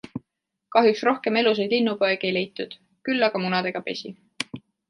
Kahjuks rohkem elusaid linnupoegi ei leitud, küll aga munadega pesi.